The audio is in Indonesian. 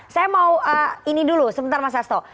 saya mau ini dulu sebentar mas asto